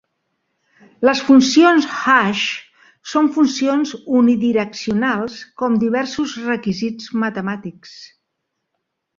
Les funcions hash són funcions unidireccionals com diversos requisits matemàtics.